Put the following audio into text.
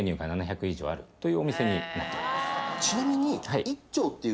ちなみに。